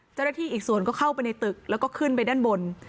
อีกส่วนก็เข้าไปในตึกแล้วก็ขึ้นไปด้านบน